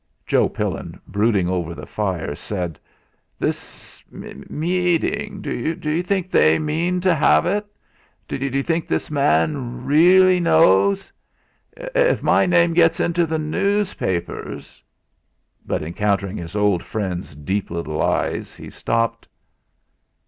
Joe Pillin, brooding over the fire, said: "This meeting d'you think they mean to have it? D'you think this man really knows? If my name gets into the newspapers " but encountering his old friend's deep little eyes, he stopped.